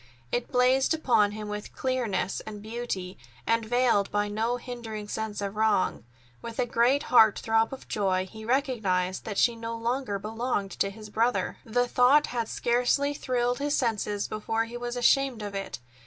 It blazed upon him with clearness and beauty, and veiled by no hindering sense of wrong. With a great heart throb of joy, he recognized that she no longer belonged to his brother. The thought had scarcely thrilled his senses before he was ashamed of it.